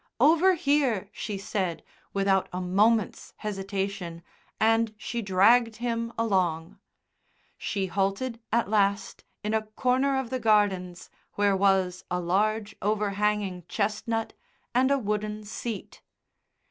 "Over here," she said without a moment's hesitation, and she dragged him along. She halted at last in a corner of the gardens where was a large, overhanging chestnut and a wooden seat.